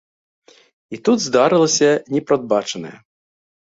І тут здарылася непрадбачанае.